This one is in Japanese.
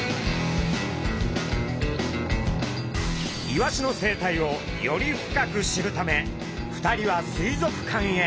イワシの生態をより深く知るため２人は水族館へ。